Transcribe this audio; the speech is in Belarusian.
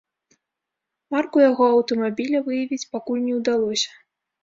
Марку яго аўтамабіля выявіць пакуль не ўдалося.